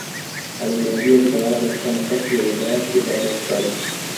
Aliyetarajiwa kutawala katika nafasi ya baba yake baada ya kufariki